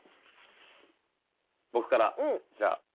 僕からじゃあ。